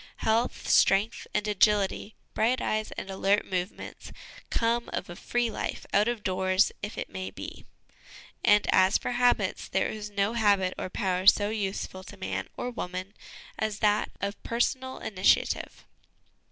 Health, strength, and agility, bright eyes and alert movements, come of a free life, out of doors, if it may be ; and as for habits, there is no habit or power so useful to man or woman as that of personal initiative.